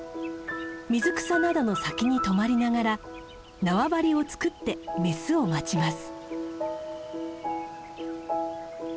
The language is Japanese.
水草などの先に止まりながら縄張りを作ってメスを待ちます。